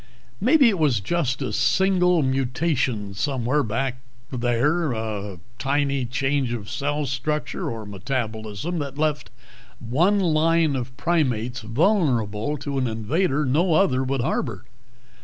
"Maybe it was just a single mutation somewhere back there. Just a tiny change of cell structure or metabolism that left one line of primates vulnerable to an invader no other would harbor.